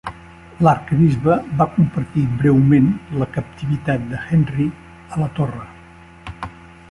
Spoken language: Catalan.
L'arquebisbe va compartir breument la captivitat de Henry a la Torre.